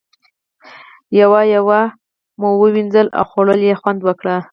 یوه یوه مو ووینځله او خوړلو یې خوند وکړ.